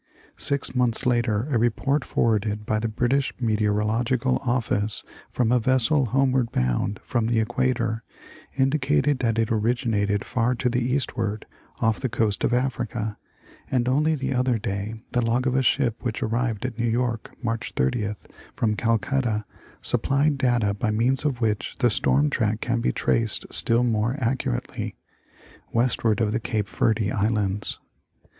Six months later a report forwarded by the British Meteorogical Office, from a vessel homeward bound from the Equator, indicated that it originated far to the eastward, off the coast of Africa, and only the other day the log of a ship which arrived at New York, March 30th, from Calcutta, supplied data by means of which the storm track can be traced still more accurately, westward of the Cape Verde islands.